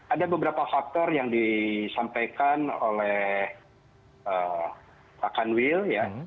ada beberapa faktor yang disampaikan oleh pak kanwil ya